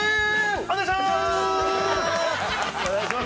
お願いしまーす！